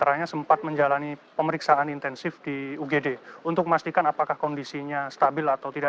pertama ada yang menjalani pemirsaan intensif di ugd untuk memastikan apakah kondisinya stabil atau tidak